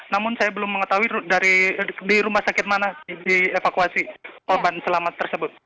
namun saya belum mengetahui di rumah sakit mana dievakuasi korban selamat tersebut